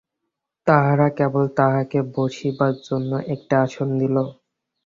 তাহারা কেবল তাঁহাকে বসিবার জন্য একটি আসন দিল।